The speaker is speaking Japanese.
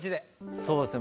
そうですね。